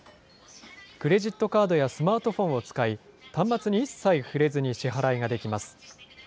クレジットカードやスマートフォンを使い、端末に一切触れずに支払いができます。